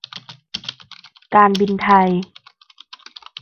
การบินไทย